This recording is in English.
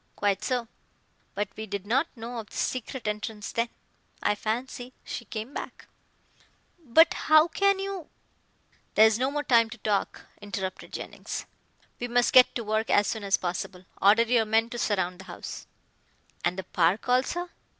"Quite so: But we did not know of this secret entrance then. I fancy she came back " "But how can you " "There's no more time to talk," interrupted Jennings. "We must get to work as soon as possible. Order your men to surround the house." "And the park also?"